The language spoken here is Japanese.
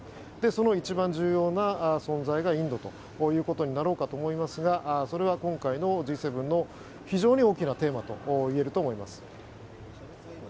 その一番重要な存在がインドということになろうかと思いますがそれは今回のＧ７の非常に大きなテーマといえると思います。